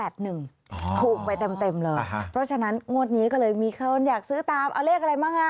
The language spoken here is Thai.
ถูกไปเต็มเลยเพราะฉะนั้นงวดนี้ก็เลยมีคนอยากซื้อตามเอาเลขอะไรบ้างอ่ะ